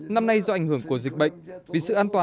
năm nay do ảnh hưởng của dịch bệnh